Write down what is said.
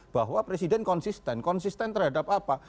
bahwa presiden konsisten konsisten terhadap apa